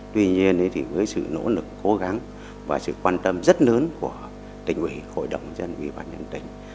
tuy nhiên thì với sự nỗ lực cố gắng và sự quan tâm rất lớn của tỉnh ủy hội đồng dân ủy ban nhân tỉnh